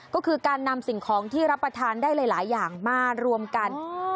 ก็คือการนำสิ่งของที่รับประทานได้หลายอย่างมารวมกัน